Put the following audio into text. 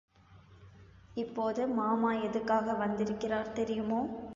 இப்போது மாமா எதுக்காக வந்திருக்கார் தெரியுமோ!